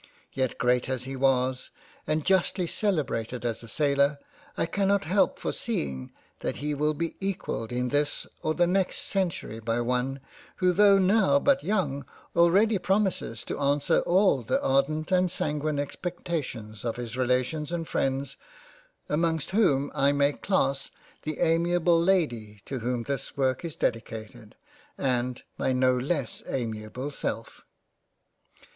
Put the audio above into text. Yet great as he was, and justly celebrated as a sailor, I cannot help foreseeing that he will be equalled in this or the next Century by one who tho* now but young, already promises to answer all the ardent and sanguine expectations of his Relations and Freinds, amongst whom I may class the amiable Lady to whom this work is dedicated, and my no less amiable self.